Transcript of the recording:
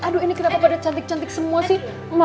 aduh ini kenapa pada cantik cantik semua sih